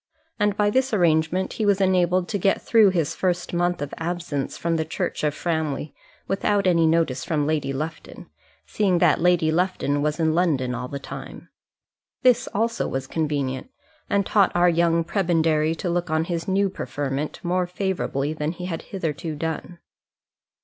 And by this arrangement he was enabled to get through his first month of absence from the church of Framley without any notice from Lady Lufton, seeing that Lady Lufton was in London all the time. This also was convenient, and taught our young prebendary to look on his new preferment more favourably than he had hitherto done.